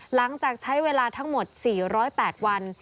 หลังจากใช้เวลาทั้งหมด๔๐๘วัน